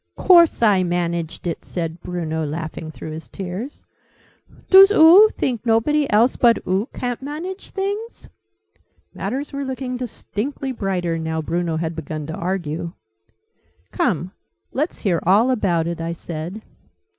"Course I managed it!" said Bruno, laughing through his tears. "Doos oo think nobody else but oo ca'n't manage things?" Matters were looking distinctly brighter, now Bruno had begun to argue. "Come, let's hear all about it!" I said.